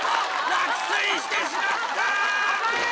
落水してしまった！